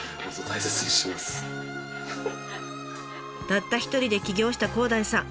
たった一人で起業した広大さん。